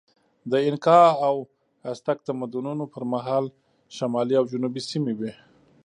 د اینکا او ازتک تمدنونو پر مهال شمالي او جنوبي سیمې وې.